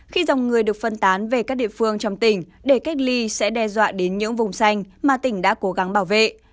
khi dòng người được phân tán về các địa phương trong tỉnh để cách ly sẽ đe dọa đến những vùng xanh mà tỉnh đã cố gắng bảo vệ